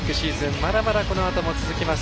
まだまだこのあとも続きます。